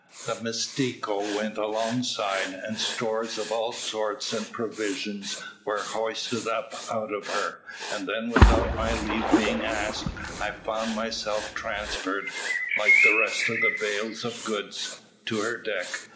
The Mistico went alongside and stores of all sorts and provisions were hoisted up out of her, and then without my leave being asked I found myself transferred, like the rest of the bales of goods, to her deck.